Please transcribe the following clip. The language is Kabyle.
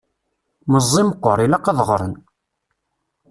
Meẓẓi meqqer, ilaq ad ɣren!